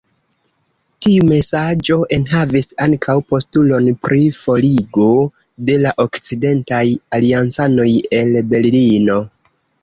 Tiu mesaĝo enhavis ankaŭ postulon pri forigo de la okcidentaj aliancanoj el Berlino.